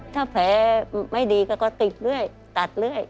ถ้าแผลไม่ดีก็ติดเรื่อยตัดเรื่อย